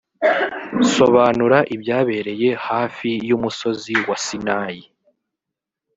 sobanura ibyabereye hafi y ‘umusozi wa sinayi